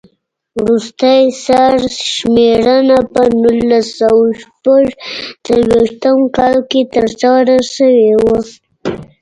وروستۍ سر شمېرنه په نولس سوه شپږ څلوېښت کال کې ترسره شوې وه.